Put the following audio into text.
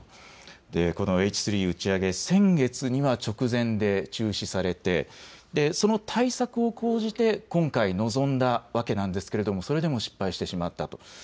このＨ３、先月には直前で中止されてその対策を講じて今回臨んだわけですがそれでも失敗してしまったと。